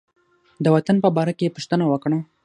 د وطن په باره کې یې پوښتنه وکړه.